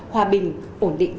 hòa bình ổn định